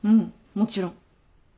もちろん。